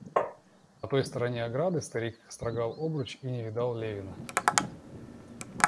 На той стороне ограды старик строгал обруч и не видал Левина.